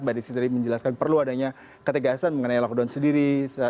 mbak disyidri menjelaskan perlu adanya ketegasan mengenai lockdown sendiri